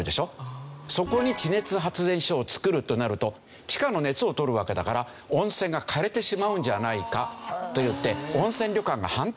そこに地熱発電所を造るとなると地下の熱を取るわけだから温泉が枯れてしまうんじゃないかといって温泉旅館が反対するわけですよね。